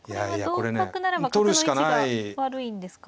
これは同角ならば角の位置が悪いんですか。